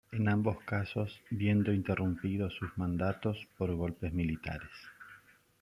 En ambos casos viendo interrumpidos sus mandatos por golpes militares.